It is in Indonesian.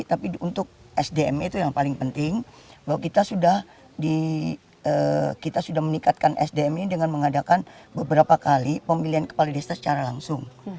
tapi untuk sdm itu yang paling penting bahwa kita sudah kita sudah meningkatkan sdm ini dengan mengadakan beberapa kali pemilihan kepala desa secara langsung